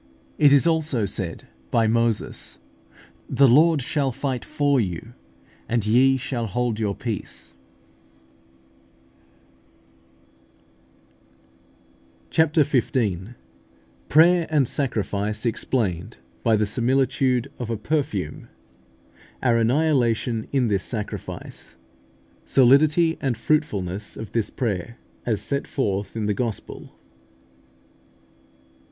It is also said by Moses, "The Lord shall fight for you, and ye shall hold your peace" (Exod. xiv. 14). CHAPTER XV. PRAYER AND SACRIFICE EXPLAINED BY THE SIMILITUDE OF A PERFUME OUR ANNIHILATION IN THIS SACRIFICE SOLIDITY AND FRUITFULNESS OF THIS PRAYER AS SET FORTH IN THE GOSPEL.